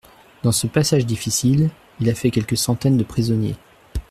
Dans ce passage difficile il a fait quelques centaines de prisonniers.